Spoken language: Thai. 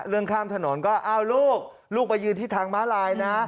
เรื่องข้ามถนนก็อ้าวลูกลูกไปยืนที่ทางม้าลายนะ